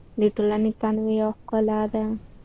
د ټولنې تنوع یو ښکلا ده.